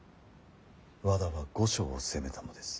和田は御所を攻めたのです。